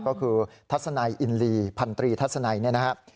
ก็คือทัศนัยอินลีพันตรีทัศนัยเนี่ยนะครับ